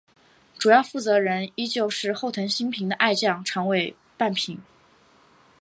主要负责人依旧是后藤新平的爱将长尾半平。